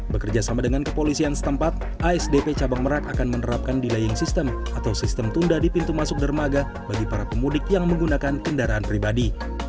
bekerja sama dengan kepolisian setempat asdp cabang merak akan menerapkan delaying system atau sistem tunda di pintu masuk dermaga bagi para pemudik yang menggunakan kendaraan pribadi